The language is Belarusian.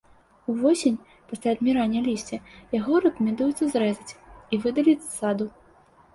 Увосень, пасля адмірання лісця, яго рэкамендуецца зрэзаць і выдаліць з саду.